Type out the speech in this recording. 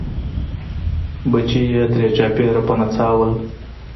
بچي یې ترې چاپېره په نڅا وو.